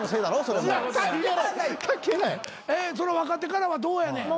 それ若手からはどうやねん。